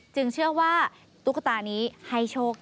เชื่อว่าตุ๊กตานี้ให้โชค